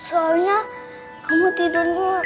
soalnya kamu tidurnya